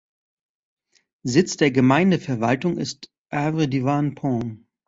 Sitz der Gemeindeverwaltung ist Avry-devant-Pont.